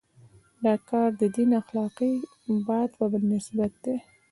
دا کار د دین اخلاقي بعد په نسبت دی.